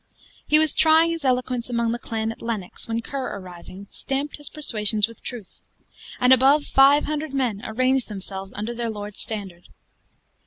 He was trying his eloquence among the clan at Lennox, when Ker arriving, stamped his persuasions with truth; and above five hundred men arranged themselves under their lord's standard.